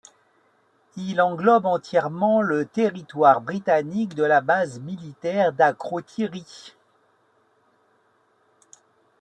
Il englobe entièrement le territoire britannique de la base militaire d'Akrotiri.